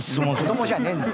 子どもじゃねえんだよ。